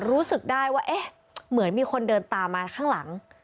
รู้สึกได้ว่าเอ๊ะเหมือนมีคนเดินตามมาข้างหลัง